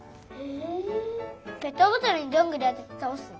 ペットボトルにどんぐりあててたおすの。